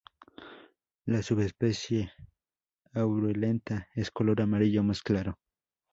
La subespecie "T.a.aurulenta" es color amarillo más claro.